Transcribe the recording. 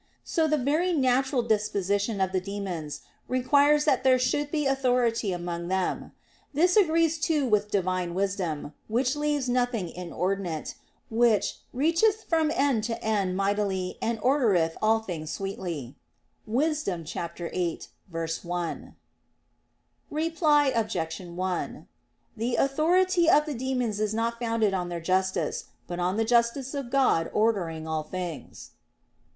So the very natural disposition of the demons requires that there should be authority among them. This agrees too with Divine wisdom, which leaves nothing inordinate, which "reacheth from end to end mightily, and ordereth all things sweetly" (Wis. 8:1). Reply Obj. 1: The authority of the demons is not founded on their justice, but on the justice of God ordering all things.